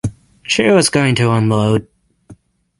She was going to unload.